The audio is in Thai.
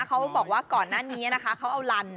เขาบอกว่าก่อนหน้านี้นะคะเขาเอาลัน